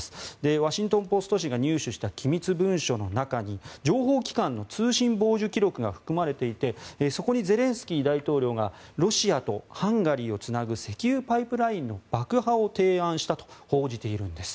ワシントン・ポスト紙が入手した機密文書の中に情報機関の通信傍受記録が含まれていてそこにゼレンスキー大統領がロシアとハンガリーをつなぐ石油パイプラインの爆破を提案したと報じているんです。